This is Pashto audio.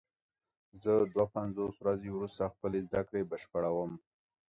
زه دوه پنځوس ورځې وروسته خپلې زده کړې بشپړوم.